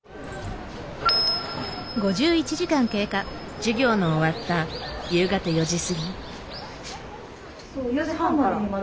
授業の終わった夕方４時過ぎ。